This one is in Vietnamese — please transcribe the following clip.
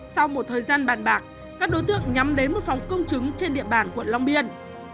sau một thời gian bàn bạc các đối tượng nhắm đến một phòng công chứng trên địa bàn quận long biên